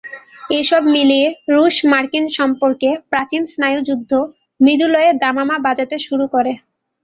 এসব মিলিয়ে রুশ-মার্কিন সম্পর্কে প্রাচীন স্নায়ুযুদ্ধ মৃদুলয়ে দামামা বাজাতে শুরু করে।